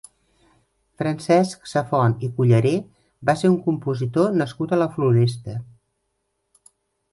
Francesc Safont i Culleré va ser un compositor nascut a la Floresta.